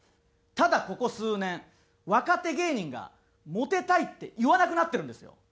ただここ数年若手芸人が「モテたい」って言わなくなってるんですよ。